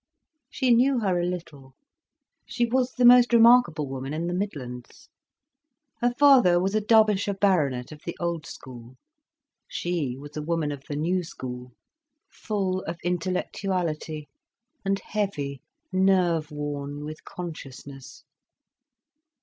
She knew her a little. She was the most remarkable woman in the Midlands. Her father was a Derbyshire Baronet of the old school, she was a woman of the new school, full of intellectuality, and heavy, nerve worn with consciousness.